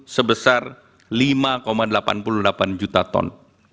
sebesar lima delapan puluh delapan juta ton